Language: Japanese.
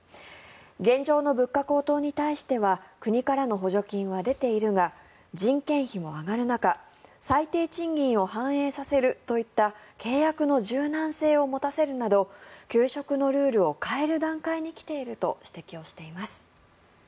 現状の物価高騰に対しては国からの補助金は出ているが人件費も上がる中最低賃金を反映させるといった契約の柔軟性を持たせるなど給食のルールを変える段階に来ていると指摘をしています。